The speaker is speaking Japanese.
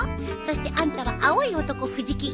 そしてあんたが青い男藤木。